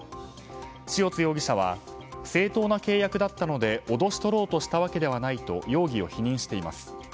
塩津容疑者は正当な契約だったので脅し取ろうとしたわけではないと容疑を否認しています。